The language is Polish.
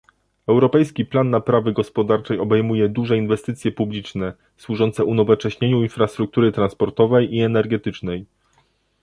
Europejski plan naprawy gospodarczej obejmuje duże inwestycje publiczne, służące unowocześnieniu infrastruktury transportowej i energetycznej